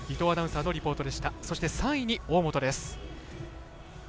そして、３位に大本です。